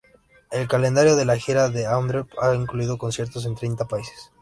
El calendario de la gira de Andrew ha incluido conciertos en treinta países.